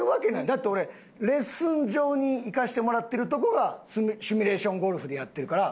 だって俺レッスン場に行かせてもらってるとこがシミュレーションゴルフでやってるから。